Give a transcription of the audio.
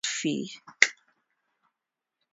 Maloney was transferred for an undisclosed fee.